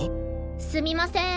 すみません。